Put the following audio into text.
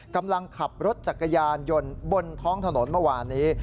กำลังขับรถจักรยานยนต์บนท้องถนนเมื่อวานนี้